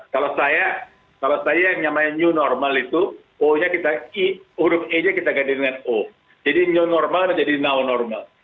kalau saya kalau saya yang namanya new normal itu oh nya kita i huruf e nya kita ganti dengan o jadi new normal menjadi now normal